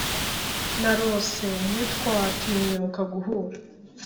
narose; ntitwatinyuka guhura.